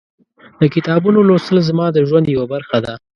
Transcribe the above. د کتابونو لوستل زما د ژوند یوه برخه ده.